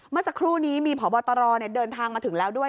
เมื่อสักครู่นี้มีพบตรเดินทางมาถึงแล้วด้วย